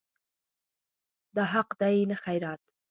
دا حق دی نه خیرات.